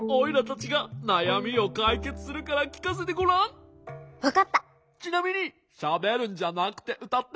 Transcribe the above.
ちなみにしゃべるんじゃなくてうたって。